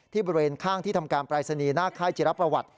บริเวณข้างที่ทำการปรายศนีย์หน้าค่ายจิรประวัติ